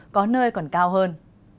có nơi còn cao hơn